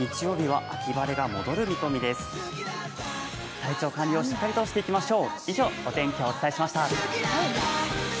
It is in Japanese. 体調管理をしっかりとしていきましょう。